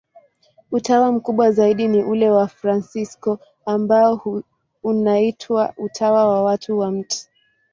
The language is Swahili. Utawa mkubwa zaidi ni ule wa Wafransisko, ambao unaitwa Utawa wa Tatu wa Mt.